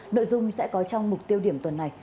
nội dung sẽ có trong mục tiêu điểm tuần này